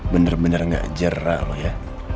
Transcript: bener bener gak jerah lo ya